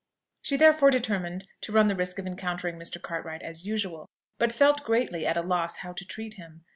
She therefore determined to run the risk of encountering Mr. Cartwright as usual, but felt greatly at a loss how to treat him.